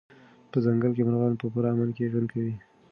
په ځنګل کې مرغان په پوره امن کې ژوند کوي.